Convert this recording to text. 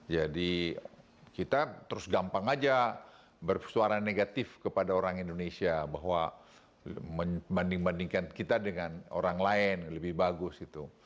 jadi kita terus gampang saja bersuara negatif kepada orang indonesia bahwa membanding bandingkan kita dengan orang lain lebih bagus gitu